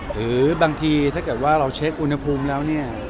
หรือบางทีถ้าเกิดว่าเราเช็คอุณหภูมิแล้วเนี่ย